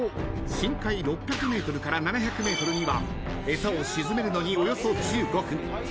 深海６００ｍから７００ｍには餌を沈めるのにおよそ１５分］